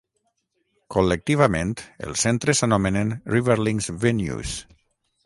Col·lectivament els centres s'anomenen "Riverlinks Venues".